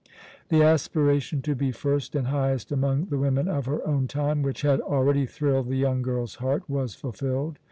"The aspiration to be first and highest among the women of her own time, which had already thrilled the young girl's heart, was fulfilled.